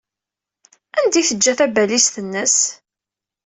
Anda ay teǧǧa tabalizt-nnes?